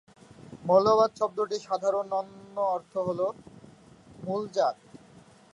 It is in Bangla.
মৌলবাদ শব্দটির সাধারণ অন্য অর্থ হল মূলজাত।